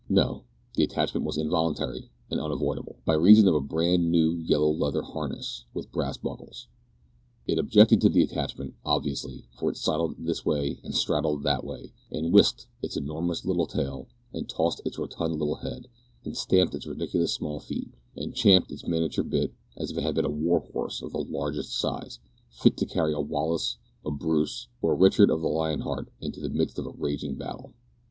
No; the attachment was involuntary and unavoidable, by reason of a brand new yellow leather harness with brass buckles. It objected to the attachment, obviously, for it sidled this way, and straddled that way, and whisked its enormous little tail, and tossed its rotund little head, and stamped its ridiculously small feet; and champed its miniature bit, as if it had been a war horse of the largest size, fit to carry a Wallace, a Bruce, or a Richard of the Lion heart, into the midst of raging battle.